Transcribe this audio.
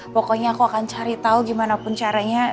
pokoknya aku akan cari tahu gimana pun caranya